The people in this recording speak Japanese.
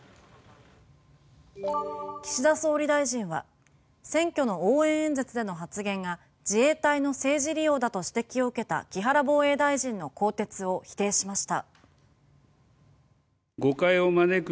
岸田総理大臣は選挙の応援演説での発言が自衛隊の政治利用だと指摘を受けた木原防衛大臣の更迭を否定しました。